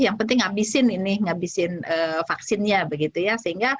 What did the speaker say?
yang penting habisin ini ngabisin vaksinnya begitu ya